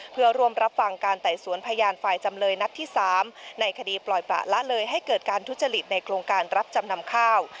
เพื่อร่วมรับฟังการไต่สวนพยานฝ่ายจำเลยนัดที่๓ในคดีปล่อยประละเลยให้เกิดการทุจริตในโครงการรับจำนำข้าว